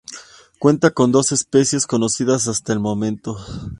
Cuenta con dos especies conocidas hasta el momento.